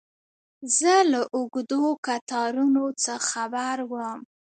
زه له اوږدو کتارونو څه خبر وم.